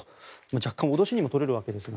若干、脅しにも取れるわけですが。